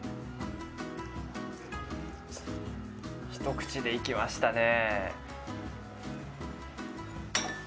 一口でいきましたね。